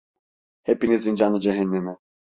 Hepinizin canı cehenneme!